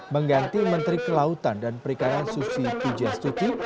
mengganti menteri kelautan dan perikanan susi pujastuti